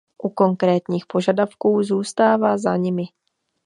U konkrétních požadavků zůstává za nimi.